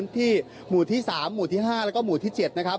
ที่หมู่ที่สามหมู่ที่ห้าแล้วก็หมู่ที่เจ็ดนะครับ